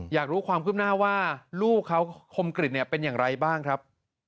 อยากรู้ความขึ้นหน้าว่าลูกเขาคมกริจเป็นอย่างไรบ้างครับ